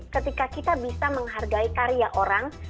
ketika kita bisa menghargai karya orang